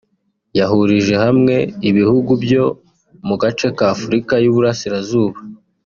yahurije hamwe ibihugu byo mu gace ka Afurika y’uburasirazuba